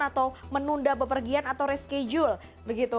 atau menunda berpergian atau reschedule